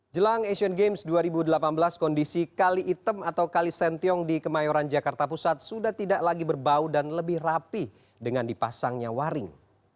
jelang asian games dua ribu delapan belas kondisi kali item atau kalisentiong di kemayoran jakarta pusat sudah tidak lagi berbau dan lebih rapi dengan dipasangnya waring